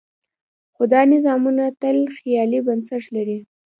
خو دا نظمونه تل خیالي بنسټ لري.